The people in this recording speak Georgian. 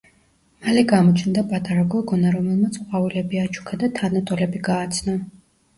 მალე გამოჩნდა პატარა გოგონა, რომელმაც ყვავილები აჩუქა და თანატოლები გააცნო.